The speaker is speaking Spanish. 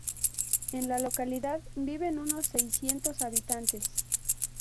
En la localidad viven unos seiscientos habitantes.